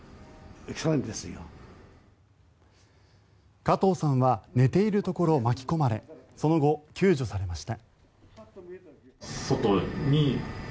加藤さんは寝ているところ巻き込まれその後、救助されました。